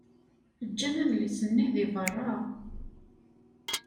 Ǧǧan adlis-nni deg beṛṛa.